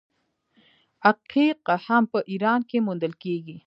عقیق هم په ایران کې موندل کیږي.